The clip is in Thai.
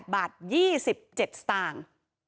๒๙๖๑๕๘บาท๒๗สตางค์